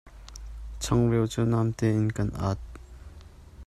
Changreu cu namte in kan at.